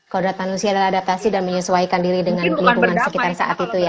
kodrat manusia adalah adaptasi dan menyesuaikan diri dengan lingkungan sekitar saat itu ya